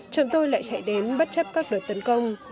chồng tôi lại chạy đến bất chấp các đợt tấn công